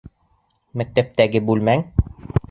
Мәктәптәге бүлмәң?..